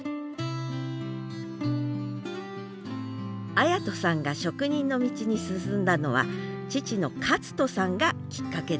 礼人さんが職人の道に進んだのは父の克人さんがきっかけでした。